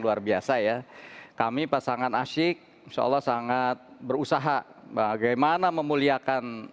luar biasa ya kami pasangan asyik insya allah sangat berusaha bagaimana memuliakan